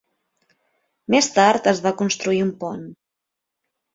Més tard es va construir un pont.